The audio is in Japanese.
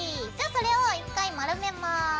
じゃあそれを１回丸めます。